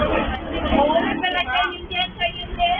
ไม่เป็นไรใครยืนเย็นใครยืนเย็น